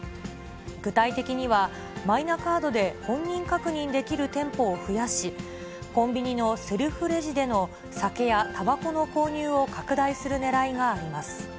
具体的には、マイナカードで本人確認できる店舗を増やし、コンビニのセルフレジでの酒やたばこの購入を拡大するねらいがあります。